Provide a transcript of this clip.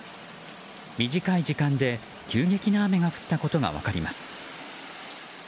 短い時間で急激な雨が降ったことが分かります。